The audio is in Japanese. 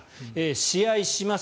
試合します。